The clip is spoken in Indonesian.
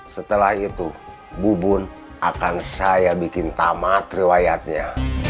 setelah itu bubun akan saya bikin tamat riwayatnya